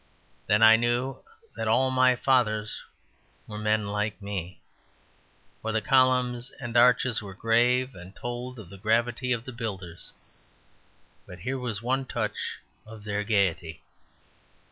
Then I knew that all my fathers were men like me; for the columns and arches were grave, and told of the gravity of the builders; but here was one touch of their gaiety.